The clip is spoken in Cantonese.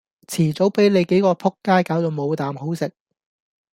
遲早比你幾個仆街攪到冇啖好食